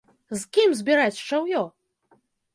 З кім збіраць шчаўе?